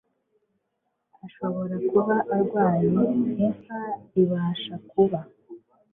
Ashobora kuba arwaye. Inka ibasha kuba